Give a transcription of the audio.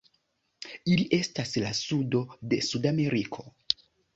Ili estas la sudo de Sudameriko.